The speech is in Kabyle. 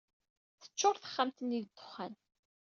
Teččur texxamt-nni d ddexxan.